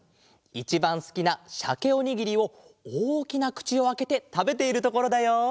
いちばんすきなしゃけおにぎりをおおきなくちをあけてたべているところだよ。